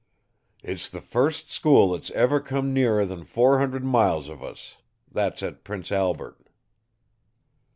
"It's the first school that has ever come nearer than four hundred miles of us. That's at Prince Albert."